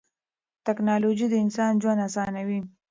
تکنالوژي د انسان ژوند اسانوي.